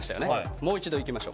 もう一度いきましょう。